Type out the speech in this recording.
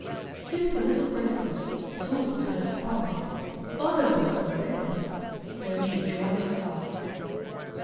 Soon the little rosebud Saw to her surprise Other rosebuds owning. So she dried her eyes.